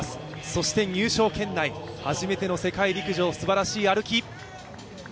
そして入賞圏内、初めての世界陸上すばらしい歩き。